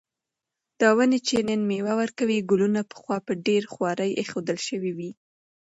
دا ونې چې نن مېوه ورکوي، کلونه پخوا په ډېره خواري ایښودل شوې وې.